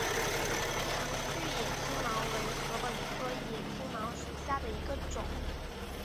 长序野青茅为禾本科野青茅属下的一个种。